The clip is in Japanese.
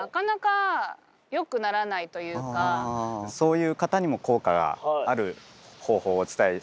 そういう方にも効果がある方法をお伝えできたらなと思ってます。